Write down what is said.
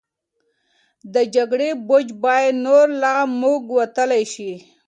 د جګړې بوج باید نور له موږ وتل شي.